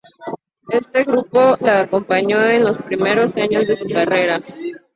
Este grupo la acompañó en los primeros años de su carrera.